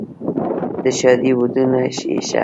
د ښادۍ ودونه یې شه،